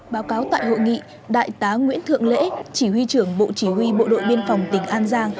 báo cáo tại hội nghị đại tá nguyễn thượng lễ chỉ huy trưởng bộ chỉ huy bộ đội biên phòng tỉnh an giang